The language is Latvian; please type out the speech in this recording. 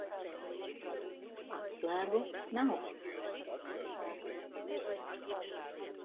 Atslēgu nav.